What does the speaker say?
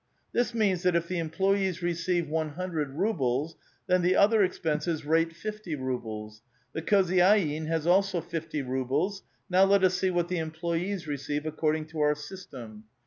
This means thot if the employees receive one hundred rubles, then the other ex penses rate fifty rubles ; the khozydXn has also fifty rubles. Now let us see what the employees receive according to our system."